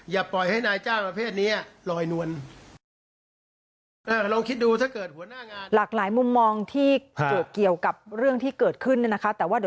อย่าปล่อยให้นายจ้างประเภทนี้ลอยนวล